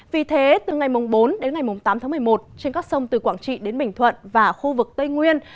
vì thế từ ngày bốn đến ngày tám tháng một mươi một trên các sông từ quảng trị đến bình thuận và khu vực tây nguyên